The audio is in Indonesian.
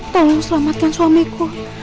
tolong selamatkan suamiku